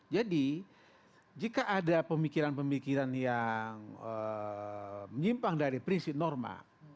jadi jika ada pemikiran pemikiran yang menyimpang dari prinsip norma